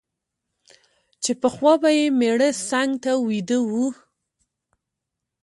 چي پخوا به یې مېړه څنګ ته ویده وو